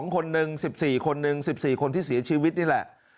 คนหนึ่ง๑๔คนหนึ่ง๑๔คนที่เสียชีวิตนี่แหละ